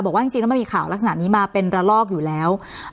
บอกว่าไม่มีข่าวลักษณะนี้มาเป็นระลอกอยู่แล้ว